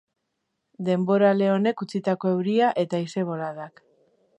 Denborale honek utzitako euria eta haize-boladak.